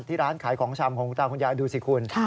ร้านขายของชำของคุณตาคุณยายดูสิคุณ